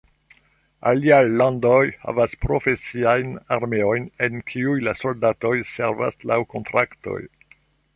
Aliaj landoj havas profesiajn armeojn en kiuj la soldatoj servas laŭ kontraktoj.